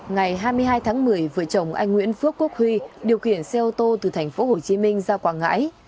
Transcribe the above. ngày hai mươi hai tháng một mươi vợ chồng anh nguyễn phước quốc huy điều khiển xe ô tô từ thành phố hồ chí minh ra quảng ngãi